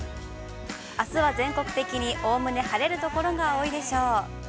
あすは全国的におおむね晴れるところが多いでしょう。